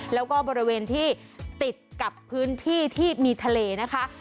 แล้วก็บริเวณที่ติดกับพื้นที่ที่มีทะเลนะคะ